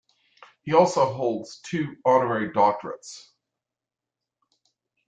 He also holds two honorary doctorates.